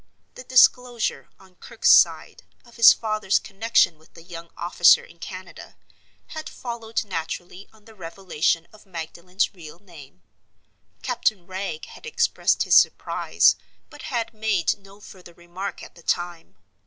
The disclosure, on Kirke's side, of his father's connection with the young officer in Canada, had followed naturally on the revelation of Magdalen's real name. Captain Wragge had expressed his surprise, but had made no further remark at the time.